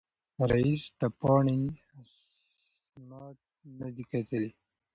رییس د پاڼې اسناد نه دي کتلي.